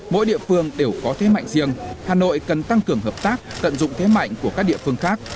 mỗi địa phương đều có thế mạnh riêng hà nội cần tăng cường hợp tác tận dụng thế mạnh của các địa phương khác